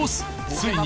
ついに。